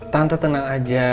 tante tenang aja